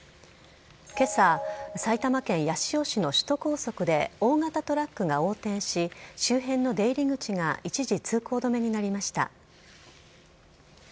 けさ、埼玉県八潮市の首都高速で大型トラックが横転し、周辺の出入り口が一時通行止めになりました。